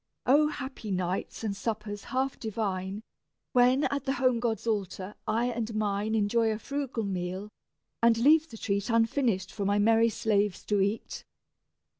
O happy nights and suppers half divine, When, at the home gods' altar, I and mine Enjoy a frugal meal, and leave the treat Unfinished for my merry slaves to eat!